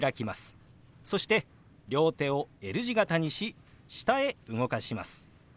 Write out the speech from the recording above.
そして両手をＬ字形にし下へ動かします。